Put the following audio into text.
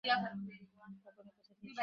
আপনি কথা দিয়েছিলেন!